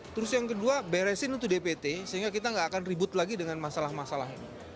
terus yang kedua beresin itu dpt sehingga kita nggak akan ribut lagi dengan masalah masalah ini